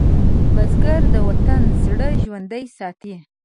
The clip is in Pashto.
بزګر د وطن زړه ژوندی ساتي